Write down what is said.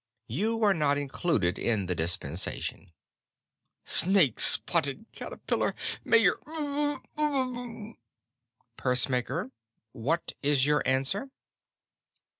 You are not included in the dispensation." "Snake spotted caterpillar! May your ummulph." "Pursemaker, what is your answer?"